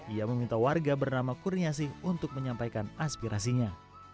ia meminta warga bernama kurniasih untuk menyampaikan aspirasinya